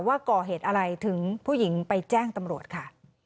ว่าก่อเหตุอะไรถึงผู้หญิงไปแจ้งตำรวจค่ะ